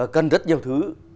cần rất nhiều thứ